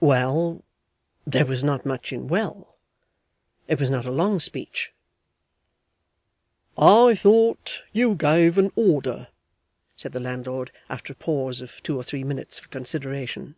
Well. There was not much in well. It was not a long speech. 'I thought you gave an order,' said the landlord, after a pause of two or three minutes for consideration.